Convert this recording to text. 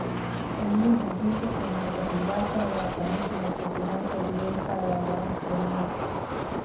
މީ ހަގީގަތެއް ނުވަތަ ހިނގައިފައިވާ ކަމެއްގެ މައްޗަށް ބިނާކޮށް ލިޔެވިފައިވާ ވާހަކައެއް ނޫން